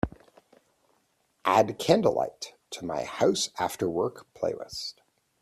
Add Candlelight to my House Afterwork playlist.